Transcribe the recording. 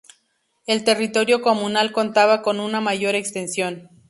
El territorio comunal contaba con una mayor extensión.